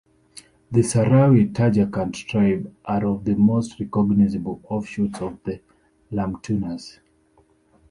The Sahrawi Tajakant tribe are of the most recognisable offshoots of the Lamtunas.